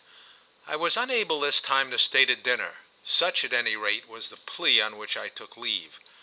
XI I WAS unable this time to stay to dinner: such at any rate was the plea on which I took leave.